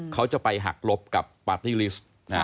เขาจะไปหักลบกับปาร์ตี้ลิสต์